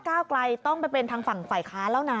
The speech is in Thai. ก้าวไกลต้องไปเป็นทางฝั่งฝ่ายค้านแล้วนะ